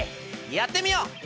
やってみよう！